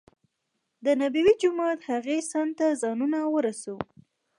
دنبوي جومات هغې څنډې ته ځانونه ورسو.